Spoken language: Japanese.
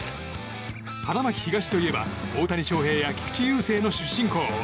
花巻東といえば大谷翔平や菊池雄星の出身校。